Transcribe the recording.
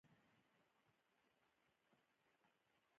نوه مو نیولې ده.